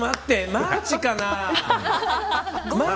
マーチかな。